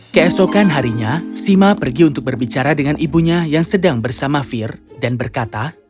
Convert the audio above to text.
keesokan harinya sima pergi untuk berbicara dengan ibunya yang sedang bersama fir dan berkata